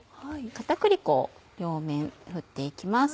片栗粉を両面振って行きます。